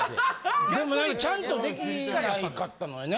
ちゃんとできなかったのよね。